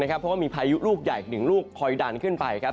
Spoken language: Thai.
ถ้ามีพายุรูปใหญ่๑ลูกคอยดันขึ้นไปครับ